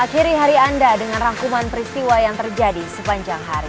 akhiri hari anda dengan rangkuman peristiwa yang terjadi sepanjang hari